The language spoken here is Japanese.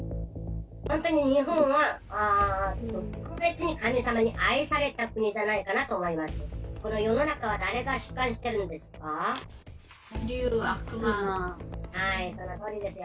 本当に日本は特別に神様に愛された国じゃないかなと思います。